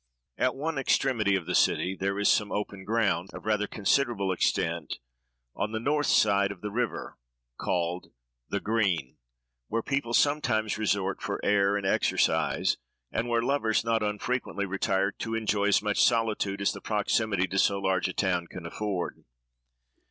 At one extremity of the city, there is some open ground, of rather considerable extent, on the north side of the river, called "The Green," where people sometimes resort for air and exercise; and where lovers not unfrequently retire to enjoy as much solitude as the proximity to so large a town can afford.